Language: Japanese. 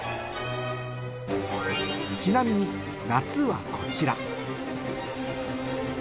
ちなみに「夏」はこちら